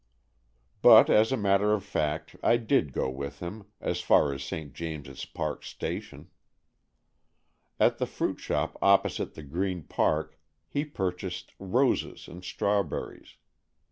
But as a matter of fact I did go with him as far as St. James's Park Station. At the fruit shop opposite the Green Park he pur chased roses and strawberries.